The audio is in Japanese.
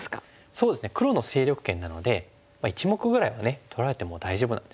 そうですね黒の勢力圏なので１目ぐらいは取られても大丈夫なんですね。